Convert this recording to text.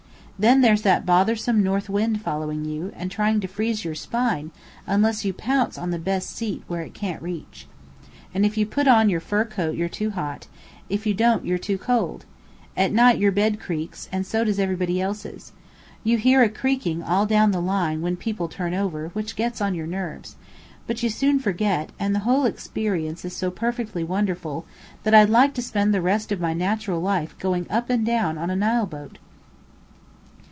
Then, there's that bothersome north wind following you, and trying to freeze your spine, unless you pounce on the best seat where it can't reach. If you put on your fur coat you're too hot; if you don't you're too cold. At night your bed creaks, and so does everybody else's. You hear a creaking all down the line when people turn over, which gets on your nerves: but you soon forget; and the whole experience is so perfectly wonderful that I'd like to spend the rest of my natural life going up and down on a Nile boat!"